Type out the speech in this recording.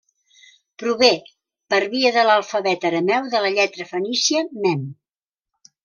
Prové, per via de l'alfabet arameu de la lletra fenícia mem.